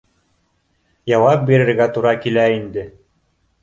— Яуап бирергә тура килә инде.